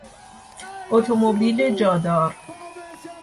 اتومبیل جادار